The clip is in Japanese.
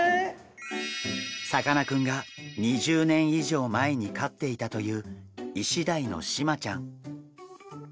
さかなクンが２０年以上前に飼っていたというイシダイのシマちゃん。